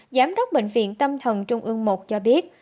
giám đốc bệnh viện tâm thần trung ương một cho biết